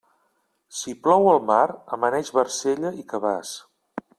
Si plou al mar, amaneix barcella i cabàs.